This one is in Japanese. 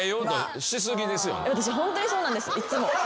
私ホントにそうなんですいっつも。